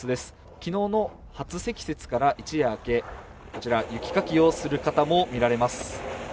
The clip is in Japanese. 昨日の初積雪から一夜明け、こちら、雪かきをする方も見られます。